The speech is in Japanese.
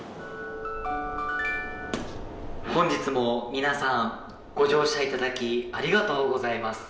本日も皆さんご乗車いただきありがとうございます。